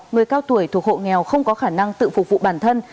người cao tuổi thuộc hộ nghèo không có khả năng tự phục vụ bản thân